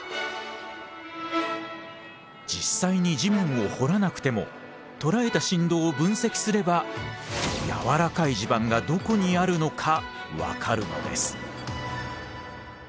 実際に地面を掘らなくても捉えた振動を分析すれば軟らかい地盤がどこにあるのか分かるのです。